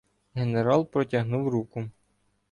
Генерал протягнув руку.